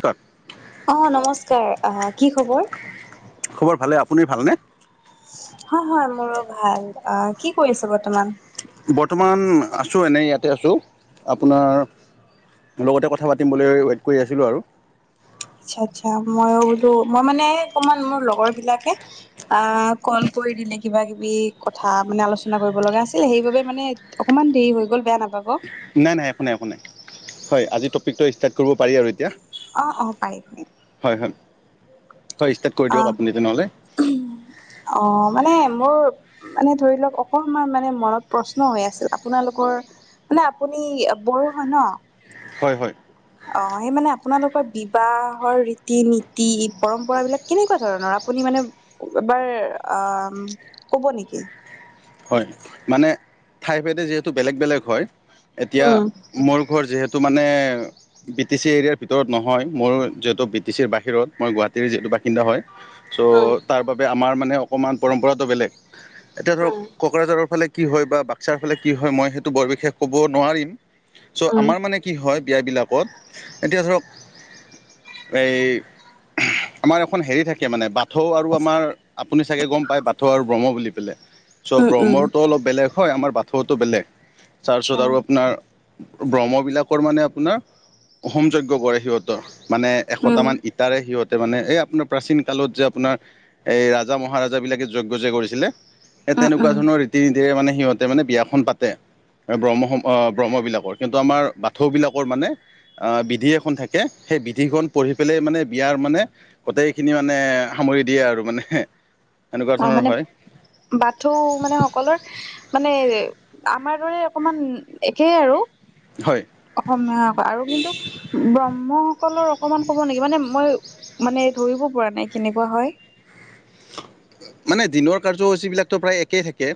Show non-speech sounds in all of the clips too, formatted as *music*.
ক'ত? অঁ নমস্কাৰ আহ কি খবৰ? খবৰ ভালে। আপুনি ভাল নে? হয় হয় মোৰো ভাল। অঁ কি কৰি আছে বৰ্তমান? বৰ্তমান আছোঁ এনেই ইয়াতে আছোঁ আপোনাৰ মোৰ লগতে কথা পাতিম বুলি ৱেট কৰি আছিলোঁ আৰু। আচ্ছা আচ্ছা, মইও বোলো মই মানে এই অকমান মোৰ লগৰবিলাকে আ কল কৰি দিলে কিবা - কিবি কথা মানে আলোচনা কৰিব লগা আছিল সেইবাবে মানে অকমান দেৰি হৈ গল বেয়া নাপাব। নাই নাই একো নাই একো নাই, হয় আজি টপিকটো ষ্টাৰ্ট কৰিব পাৰি আৰু এতিয়া। অ অ পাৰি পাৰি। হয় হয়, হয় ষ্টাৰ্ট কৰি দিয়ক আপুনি তেনেহ'লে। উহুম অ মানে মোৰ মানে ধৰি লওক অকমান মানে মনত প্ৰশ্ন হৈ আছিল আপোনালোকৰ মানে আপুনি বড়ো হয় ন? হয় হয়। অ সেই মানে আপোনালোকৰ বিবাহৰ ৰীতি - নীতি, পৰম্পৰাবিলাক কেনেকুৱা ধৰণৰ? আপুনি মানে এবাৰ আম কব নেকি? হয় মানে ঠাইভেদে যিহেতু বেলেগ - বেলেগ হয় এতিয়া উম মোৰ ঘৰ যিহেতু মানে বি টি চি এৰিয়াৰ ভিতৰত নহয়, মোৰ যিহেতু বি টি চিৰ বাহিৰত মই গুৱাহাটীৰ যিহেতু বাসিন্দা হয় চ' উম তাৰ বাবে আমাৰ মানে অকণমান পৰম্পৰাটো বেলেগ এতিয়া ধৰক উম কোকৰাঝাৰৰ ফালে কি হয় বা বাক্সাৰ ফালে কি হয় মই সেইটো বৰ বিশেষ ক'ব নোৱাৰিম চ' উম আমাৰ মানে কি হয় বিয়াবিলাকত এতিয়া ধৰক এই উহ আমাৰ এখন হেৰি থাকে মানে বাট থৌ আৰু আমাৰ আপুনি চাগে গম পায় বাথৌ আৰু ব্ৰহ্ম বুলি পেলাই চ' উম উম ব্ৰহ্মৰটো অলপ বেলেগ হয়, আমাৰ বাথৌটো বেলেগ তাৰপিছত আচ্ছা আৰু আপোনাৰ ব্ৰহ্মবিলাকৰ মানে আপোনাৰ হোম যজ্ঞ কৰে সিহঁতৰ মানে উম এশটামান ই তাৰে সিহঁতে মানে এই আপোনাৰ প্ৰাচীন কালত যে আপোনাৰ এই ৰাজা - মহাৰাজাবিলাকে যজ্ঞ যে কৰিছিলে এ উম তেনেকুৱা উম ধৰণৰ ৰীতি - নীতিৰে মানে সিহঁতে মানে বিয়াখন পাতে। এই ব্ৰহ্মখন অ ব্ৰহ্মবিলাকৰ কিন্তু আমাৰ বাথৌবিলাকৰ মানে আ বিধি এখন থাকে সেই বিধিখন পঢ়ি পেলাই মানে বিয়াৰ মানে গোটেইখিনি মানে সামৰি দিয়ে আৰু মানে এনেকুৱা ধৰণৰ হয় বাথো মানে সকলৰ মানে আমাৰ দৰে অকমান একে আৰু হয়। অসমীয়া আৰু কিন্তু ব্ৰহ্মসকলৰ অকমান ক'ব নেকি মানে মই মানে ধৰিব পৰা নাই কেনেকুৱা হয়? মানে দিনৰ কাৰ্যসূচীবিলাকটো প্ৰায় একেই থাকে,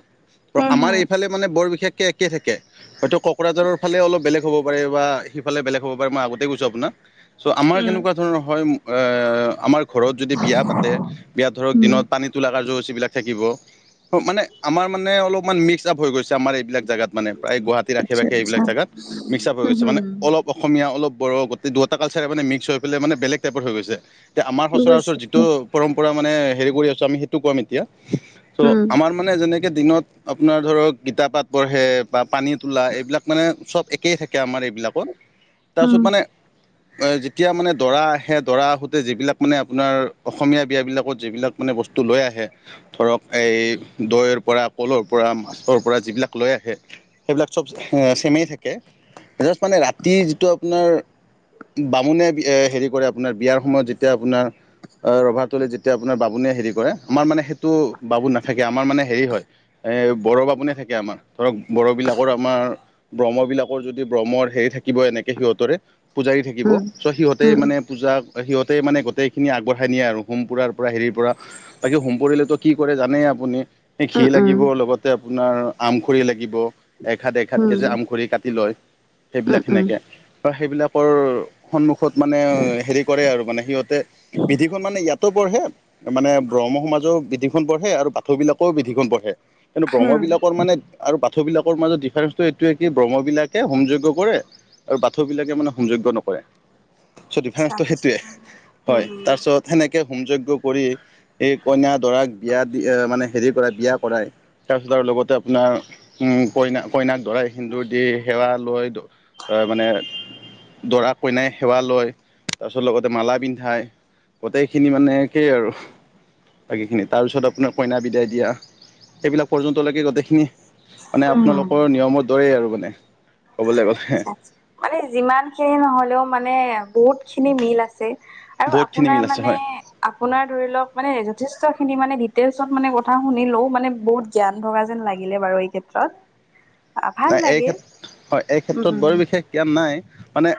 প্ৰ উম আমাৰ হম এইফালে মানে বৰ বিশেষকে একে থাকে, হয়তো ককৰাঝাৰৰ ফালে অলপ বেলেগ হ'ব পাৰে বা সিফালে বেলেগ হব পাৰে মই আগতে গৈছো আপোনাক চ' আমাৰ উম কেনেকুৱা ধৰণৰ হয়, এ আমাৰ ঘৰত যদি বিয়া পাতে বিয়া ধৰক উম দিনত পা পানী তোলা কাৰ্যসুচিবিলাক থাকিব, অ মানে আমাৰ মানে অলপমান মিক্স চাপ হৈ গৈছে আমাৰ এইবিলাক জাগাত মানে প্ৰায় গুৱাহাটীৰ আশে - আচ্ছা পাশে আচ্ছা এইবিলাক জাগাত, মিক্সআপ হৈ উম গৈছে হম মানে অলপ অসমীয়া অলপ বঢ়, গোটেই দুটা কালচাৰে মানে মিক্স হৈ পেলাই মানে বেলেগ টাইপৰ হৈ গৈছে। এতিয়া আমাৰ সচৰাচৰ বুজিছো যিটো পৰম্পৰা মানে হেৰি কৰি আছোঁ আমি সেইটো কম এতিয়া চ' আমাৰ মানে যেনেকে দিনত আপোনাৰ ধৰক গীতা পাঠ পঢ়ে বা পানী তোলা এইবিলাক মানে চব একেই থাকে আমাৰ এইবিলাকত তাৰপিছত মানে অ যেতিয়া মানে দৰা আহে, দৰা আহোতে যিবিলাক মানে আপোনাৰ অসমীয়া বিয়াবিলাকত যিবিলাক মানে বস্তু লৈ আহে ধৰক এই দৈৰ পৰা কলৰ পৰা মাছৰ পৰা যিবিলাক লৈ আহে সেইবিলাক চব চেমেই থাকে জাষ্ট মানে ৰাতিৰ যিটো আপোনাৰ বামুণে এ হেৰি কৰে আপোনাৰ বিয়াৰ সময়ত যেতিয়া আপোনাৰ ৰভা তলি যেতিয়া আপোনাৰ বামুণ কোনে হেৰি কৰে আমাৰ মানে সেইটো বাবু নাথাকে আমাৰ মানে হেৰি হয় এই বৰ বামুনে থাকে আমাৰ ধৰক বড় বিলাকৰ আমাৰ ব্ৰহ্ম বিলাকৰ যদি ব্ৰহ্মৰ হেৰি থাকিব এনেকে সিহঁতৰে পূজাৰী থাকিব চ' সিহঁতে মানে পূজা সিহঁতে মানে গোটেইখিনি আগবঢ়াই নিয়ে আৰু হোম পুৰাৰ পৰা হেৰিৰ পৰা বাকী হোমপুৰৰিলেতো কি কৰে জানেই আপুনি এই ঘি লাগিব লগতে আপোনাৰ আমখৰি লাগিব এসা *unintelligible* ঘাতকেই যে আমখৰি কাটি লয় সেইবিলাক সেনেকৈ বা সেইবিলাকৰ সন্মুখত মানে হেৰি কৰে আৰু মানে সিহঁতে বিধিখন মানে ইয়াতো পঢ়ে মানে ব্ৰহ্ম সমাজও বিধিখন পঢ়ে আৰু বাথ বিলাকেও বিধিখন পঢ়ে কিন্তু ব্ৰহ্ম হুম, বিলিলাকৰ মানে আৰু পাথ বিলাকৰ মাজত ডিফাৰেন্স এইটোৱে য়ে কি ব্ৰহ্ম বিলাকে হোম জজ্ঞ কৰে আৰু বাথুবিলাকে মানে হোম জজ্ঞ নকৰে *unintelligible* টো আচ্ছা, আচ্ছা। সেইটোৱে হুম, হয় তাৰপিছত সেনেকে হোম যজ্ঞ কৰি সেই কইনা দৰাক বিয়া দি মানে হেৰি কৰা বিয়া কৰাই তাৰপিছত আৰু লগতে আপোনাৰ উ কইনা কইনাক দৰাই সেন্দুৰ দি সেৱা লৈ তাৰ মানে দৰা কইনাই সেৱা লয় তাৰপিছত লগতে মালা পিন্ধায় গোটেইখিনি মানে সেয়ে আৰু বাকীখিনি তাৰপিছত আপোনাৰ কইনা বিদায় দিয়া সেইবিলাক পৰ্যন্তলৈকে গোটেইখিনি মানে হুম, আপোনালোকৰ নিয়মৰ দৰেই আৰু মানে ক'বলৈ গ'লে আ মানে যিমান খিনি নহলেও মানে বহুত খিনি মিল আছে আৰু বহুতখিনি আপোনাৰ মিল আছে মানে হয় আপোনাৰ ধৰি লওক মানে যথেষ্টখিনি মানে ডিটেইলচত মানে কথা শুনিলোও মানে বহুত জ্ঞান ভগা যেন লাগিলে বাৰু এই ক্ষেত্ৰত ভাল নাই এই লাগিল ক্ষেত্ৰত হয় এই উম, ক্ষেত্ৰত উম, বৰ বিশেষ এতিয়া নাই মানে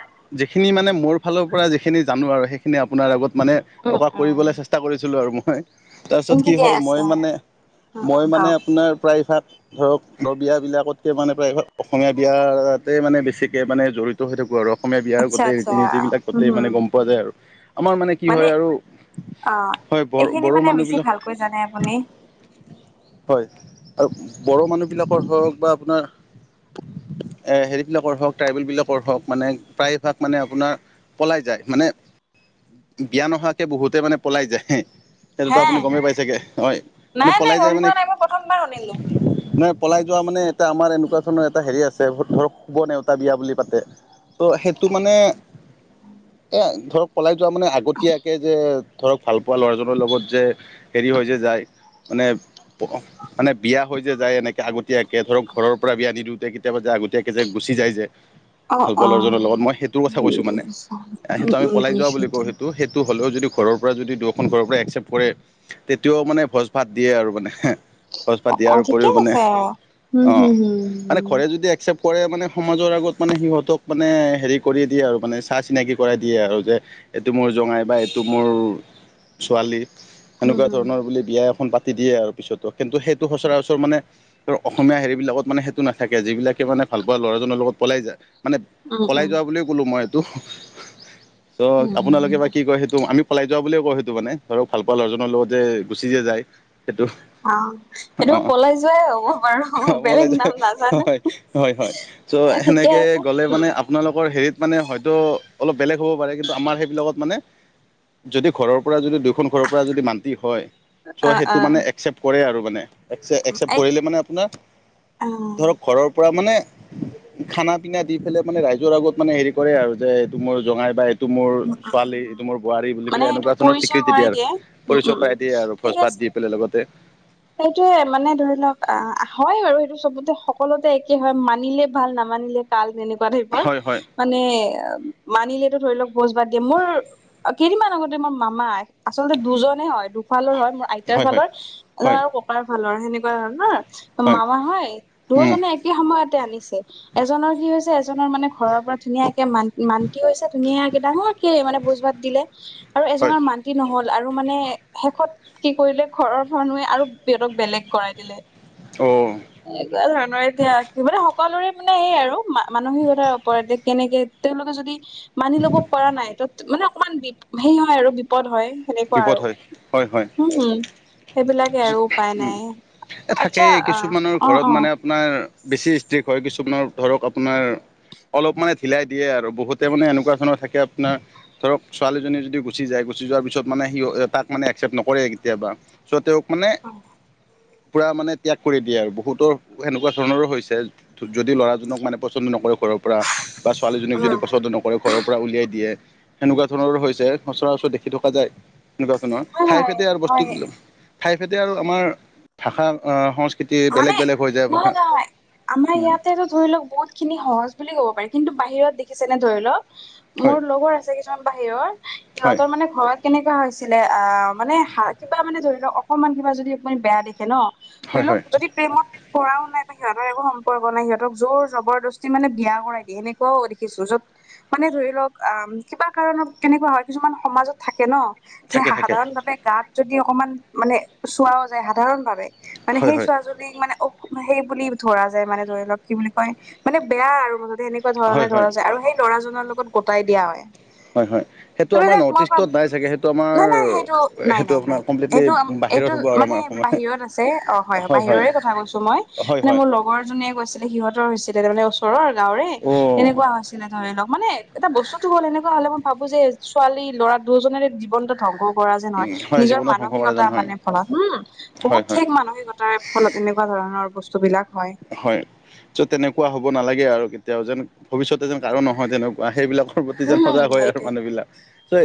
যিখিনি মানে মোৰ ফালৰ পৰা যিখিনি জানো আৰু সেইখিনি আপোনাৰ আগত মানে উম, প্ৰকাশ কৰিবলৈ চেষ্টা কৰিছিলো আৰু মই তাৰপিছত উম, কি ঠিকে হয় মই আছে। মানে উম, উম, মই মানে কওক। আপোনাৰ প্ৰায়ভাগ *inaudible* ধৰক নদীয়া বিলাকত সেই মানে প্ৰায় অসমীয়া বিয়াতে মানে বেছিকে মানে জড়িত হৈ থাকোঁ আৰু অসমীয়া বিয়াৰ আচ্ছা, গোটেই আচ্ছা। ৰীতি নীতি বিলাক হুম, গোটেই মানে হুম। গম পোৱা যায় আৰু আমাৰ মানে কি হয় আৰু অ হয় ব এইখিনি বড়ো মানে বেছি মানুহবিলাক ভালকৈ জানে আপুনি হয় আৰু বড়ো মানুহ বিলাকৰ হওক বা আপোনাৰ এ হেৰি বিলাকৰ হওক ট্ৰাইবেল বিলাকৰ হওক মানে প্ৰায় ভাগ মানে আপোনাৰ পলাই যায় মানে বিয়া নহোৱাকে বহুতে মানে পলাই যায় হে সেইটোতো হে আপুনি গমেই পাইছোগে হয় মানে নাই নাই পলাই গম যায় মানে পোৱা নাই মই প্ৰথমবাৰ শুনিলো। মে পলাই যোৱা মানে এটা আমাৰ এনেকুৱা ধৰণৰ এটা হেৰি আছে ধৰক শুব ন এওতা বিয়া বুলি পাতে ত' সেইটো মানে এ ধৰক পলাই যোৱা মানে আগতীয়াকে যে ধৰক ভাল পোৱা লৰাজনৰ লগত যে হেৰি হয় যে যায় মানে মানে বিয়া হৈ যে যায় এনেকৈ আগতীয়াকৈ ধৰক ঘৰৰ পৰা বি আনি দিওঁতে কেতিয়াবা যে আগতীয়াক যে গুচি যায় যে অ ভাল পোৱা অ লৰাজনৰ লগত মই সেইটোৰ কথা উম কৈছো মানে এ সেইটো আমি উম পলাই যোৱা বুলি বুজিছোতো কওঁ সেইটো সেইটো হ'লেও যদি ঘৰৰ পৰা যদি দুয়োখন ঘৰৰ পৰা একচেপ্ট কৰে তেতিয়াও মানে ভোজ ভাত দিয়ে আৰু মানে হে অ অ ঠিকে আছে অ হম অ হম হম মানে ঘৰে যদি একচেপ্ট কৰে মানে সমাজৰ আগত মানে সিহঁতক মানে হেৰি কৰি দিয়ে আৰু মানে চা চিনাকি কৰাই দিয়ে আৰু যে এইটো মোৰ জঙাই বা এইটো মোৰ ছোৱালী উম সেনেকোৱা হুম ধৰণৰ বুলি বিয়া এখন পাতি দিয়ে আৰু পিছতো কিন্তু সেইটো সচৰাচৰ মানে অসমীয়া হেৰিবিলাকত মানে সেইটো নাথাকে যিবিলাকে মানে ভাল পোৱা ল'ৰাজনৰ লগত পলাই যায় মানে উম পলাই উম যোৱা বুলিও কলো মই এইটো ত' উম আপোনালোকে বা কি কয় সেই টো আমি পলাই যোৱা বুলিয়ে কও সেইটো মানে ধৰক ভাল পোৱা ল'ৰাজনৰ লগত যে গুচি যে যায় সেইটো অ এইটো অ অ পলাই যোৱাই আৰু ক পলাই যায় হয় হয় হয় চ' ঠিকে সেনেকে আছে গ'লে মানে আপোনালোকৰ হেৰিত মানে হয়তো অলপ বেলেগ হ'ব পাৰে কিন্তু আমাৰ সেইবিলাকত মানে যদি ঘৰৰ পৰা যদি দুখন ঘৰৰ পৰা যদি মান্তি হয় অ চ' অ সেইটো মানে একচেপ্ট কৰে আৰু মানে এক একচেপ্ট এই কৰিলে মানে আপোনাৰ অ ধৰক ঘৰৰ পৰা মানে খানা পিনা দি পেলাই মানে ৰাইজৰ আগত মানে হেৰি কৰে আৰু যে এইটো মোৰ জঙাই বা এই টো মোৰ ছোৱালী এইটো মোৰ বোৱাৰী বুলি মানে পেলাই এইটো এনেকোৱা ধৰণৰ পৰিচয় স্বীকৃতি কৰাই দিয়ে উম পৰিচয় উম উম কৰাই দিয়ে আৰু ভোজ ঠিক ভাত আছে দি লগতে সেইটোয়ে মানে ধৰি লওক আহ হয় আৰু সেইটো চবতে সকলোতে একে হয় মানিলে ভাল নামানিলে কাল এনেকোৱা টাইপৰ হয় হয় মানে মানিলেতো ধৰি লওক ভোজ ভাত দিয়ে মোৰ অ কেইদিনমান আগতে মোৰ মামাই আচলতে দুজনে হয় দু ফালৰ হয় মোৰ আইতাৰ হয় হয় ফালৰ হয় আৰু ককাৰ ফালৰ সেনেকোৱা হয় ন মামা হয় হয় দুয়োজনে একে সময়তে আনিছে এজনৰ কি হৈছে এজনৰ মানে ঘৰৰ পৰা ধুনীয়াকে মান মান্তি হৈছে ধুনীয়াকে ডাঙৰ সেই মানে ভুজ ভাত দিলে আৰু হয় এজনৰ মান্তি নহল আৰু মানে শেষত কি কৰিলে ঘৰৰ মানুহে আৰু সিহঁতক বেলেগ কৰাই দিলে অ এনেকোৱা ধৰণৰ এতিয়া কি মানে সকলোৰে মানে সেই আৰু মা মানসিকতাৰ ওপৰত কেনেকে তেওঁলোকে যদি মানি ল'ব পৰা নাই ত মানে অকমান বি সেই হয় আৰু বিপদ হয় সেনেকোৱা বিপদ হয় হয় হয় আৰু উম উম সেইবিলাকে আৰু উপায় উম নাই এ আচ্ছা থাকেই কিছুমানৰ অ অ অ ঘৰত মানে আপোনাৰ বেছি ষ্ট্ৰিক হয় কিছুমানৰ ধৰক আপোনাৰ অলপ মানে ঢিলাই দিয়ে আৰু বহুতে মানে এনেকোৱা ধৰণৰ থাকে আপোনাৰ ধৰক ছোৱালীজনী যদি গুচি যায় গুচি যোৱাৰ পিছত মানে সিও তাক মানে একচেপ্ট নকৰে কেতিয়াবা চ' তেওঁক মানে অ পূৰা মানে ত্যাগ কৰি দিয়ে আৰু বহুতো সেনেকোৱা ধৰণৰো হৈছে যদি ল'ৰাজনক মানে পছন্দ নকৰে ঘৰৰ পৰা বা ছোৱালীজনীক যদি হয় পচন্দ ন ঘৰৰ পৰা উলিয়াই দিয়ে সেনেকোৱা ধৰণৰো হৈছে সচৰাচৰ দেখি থকা যায় এনেকোৱা ধৰণৰ ঠাই হয় ফেডে আৰু বস্তু হয় ঠাই ফেডে আৰু আমাৰ ভাষা সংস্কৃ তি মানে বেলেগ বেলেগ হৈ যায় নহয় আপোনাৰ নহয় আমাৰ উম ইয়াতেতো ধৰি লওক বহুত খিনি সহজ বুলি ক'ব পাৰি কিন্তু বাহিৰত দেখিছে নে ধৰি লওক হয় মোৰ লগৰ আছে কিছুমান বাহিৰৰ হয় সিহঁতৰ মানে ঘৰত কেনেকোৱা হৈছিলে আহ মানে কিবা মানে ধৰি লও অকমান কিবা যদিমান বেয়া দেখে ন হয় ধৰি হয় লওক যদি প্ৰেমত কৰাও নাই বা সিহঁতৰ একো সম্পৰ্ক নাই সিহঁতক জোৰ জবৰদস্তি মানে বিয়া কৰাই দিয়ে সেনেকোৱাও দেখিছো য'ত মানে ধৰি লওক আ কিবা কাৰণত কেনেকুৱা হয় কিছুমান সমাজত থাকে ন যে থাকে থাকে সাধাৰণ ভাৱে গাত যদি অকমান মানে চোৱাও যায় সাধাৰণ ভাৱে মানে হয় সেই হয় চোৱা যদি মানে অ সেই বুলি ধৰা যায় মানে ধৰি লওক কি বুলি কয় মানে বেয়া আৰু মাজতে সে নেকুৱা হয় ধৰণৰ হয় ধৰা যায় আৰু সেই ল'ৰাজনৰ লগত গটাই দিয়া হয়। হয় হয় সেইটো আমাৰ সেইবিলাক নৰ্থ মই ভাবো ইষ্টত নাই চাগে সেইটো আমাৰ সেইটো আপোনাৰ কমপ্লিটলি এইটো আ বাহিৰত এইটো হ'ব আৰু মানে আমাৰ অসমত বাহিৰত আছে অ হয় বাহিৰৰে কথা কৈছো মই। হয় মানে হয় মোৰ লগৰ এজনীয়ে গৈছিলে সিহঁতৰ হৈছিলে তাৰমানে ওচৰৰ গাঁৱৰে অ উম তেনেকুৱা হৈ ছিলে ধৰি লওক মানে এটা বস্তুতো হ'ল এনেকুৱা হলে মই ভাবো যে ছোৱালী ল'ৰা দুইজনৰে জীৱনটো ধ্বংস কৰা যেন হয় নিজৰ জীৱনত ধ্বংস মানসিকতা এজন হয় মানে ফলত হোম বহুত হয় হয় ঠিক মানসিকতাৰে ফলত এনেকুৱা ধৰণৰ বস্তুবিলাক হয়। হয় চ' তেনেকুৱা হ'ব নালাগে আৰু কেতিয়াও যেন ভৱিষ্যতে যেন কাৰো নহয় তেনে সেইবিলাকৰ প্ৰতি যেন উম সজাগ হয় আৰু সেইটোৱে মানুহ বিলাক। ত'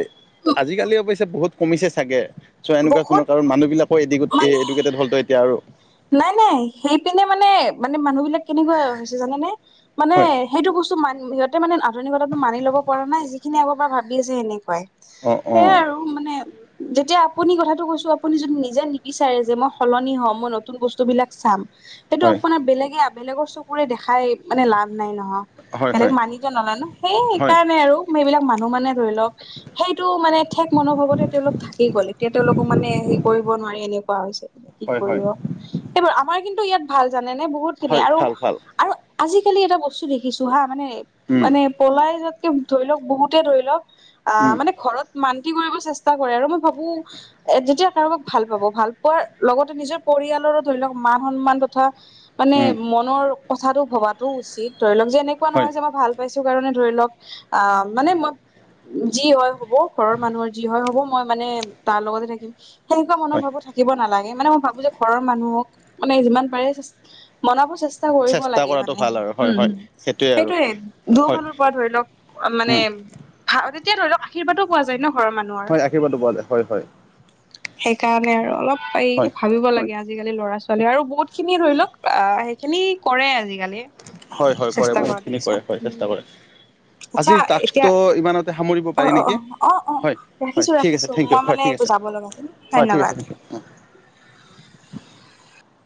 আজিকালি অৱশ্যে বহুত কমিছে চাগে চ' এনেকুৱা বহুত ধৰণৰ কাৰো মানুহ বিলাকৰ এ মানে এডুকেটেড হল ত এতিয়া আৰু। নাই নাই সেইপিনে মানে মানে মানুহ বিলাক কেনেকুৱা হৈছে জানা নে মানে হয় সেইটো বস্তু মা সিহঁতে মানে আধুনিকতাটো মানি লব পৰা নাই যিখিনি আগৰ পৰা ভাবি আছে সেনেকুৱাই অ অ সেয়াই আৰু। মানে যেতিয়া আপুনি কথাটো কৈছো আপুনি যদি নিজে নিবিচাৰে যে মই সলনি হম মই নতুন বস্তু বিলাক চাম সেইটো হয় আপোনাৰ বেলেগে বেলেগৰ চকুৰে দেখাই মানে লাভ নাই নহয়। হয় বেলেগ হয় মানি ত নলয় ন সেই হয় সেইকাৰণে আৰু মই এইবিলাক মানুহ মানে ধৰি লওক সেইটো মানে ঠেক মনোভাৱতে তেওঁলোক থাকি গল এতিয়া তেওঁলোকো মানে হেৰি কৰিব নোৱাৰি এনেকুৱা হৈছে মানে। কি হয় হয় কৰিব সেইবোৰ আমাৰ কিন্তু ইয়াত ভাল জানে নে বহুত খিনি হয় আৰু ভাল ভাল আৰু আজিকালি এটা বস্তু দেখিছো হা মানে উম মানে পলাই যোৱাতকে ধৰি লওক বহুতে ধৰি লওক আহ উম মানে ঘৰত মান্তি কৰিব চেষ্টা কৰে আৰু মই ভাবো এ যেতিয়া কাৰোবাক ভাল পাব ভাল পোৱাৰ লগতে নিজৰ পৰিয়াল ধৰি লওক মান সন্মান তথা মানে উম মনৰ কথাটো ভবাতটো উচিত ধৰি লওক যে এ নেকোৱা হয় নহয় যে মই ভাল পাইছো কাৰণে ধৰি লওক আহ মানে মই যি হয় হ'ব ঘৰৰ মানুহৰ যি হয় হ'ব মই মানে তাৰ লগতে থাকিম সেনেকুৱা মনৰ হয় ভাব বোৰ থাকিব নালাগে মানে মই ভাবো যে ঘৰৰ মানুহক মানে যিমান পাৰে মনাব চে চেষ্টা কৰিব লাগে কৰাটো মানে। ভাল আৰু হয় হ'ম হয় হ'ম। সেইটোৱে আৰু সেইটোয়ে হয় দুইফালৰ পৰা ধৰি লওক মানে উম তেতিয়া ধৰি লওক আশীৰ্বাদো পোৱা যায় ন ঘৰৰ মানুহ হয় আশীৰ্বাদটো পোৱা যায় হয় হয়। সেইকাৰণে আৰু অলপ হয় এইটো ভাবিব লাগে আজি আজিকালি ল'ৰা ছোৱালী আৰু বহুত খিনি ধৰি লওক আহ সেইখিনি কৰে আজিকালি হয় হয় কৰে চেষ্টা কৰা বহুতখিনি দেখিছো কৰে হয় চেষ্টা কৰে আচ্ছা আজিৰ এতিয়া টাস্কটো ইমানতে সামৰিব অ পাৰি অ নেকি অঁ অঁ হয় হয় ৰাখিছো ঠিক আছে ৰাখিছো থেংক ইউ মই মানে যাব লগা আছে ন হয় ঠিক আছে ঠিক আছে উম।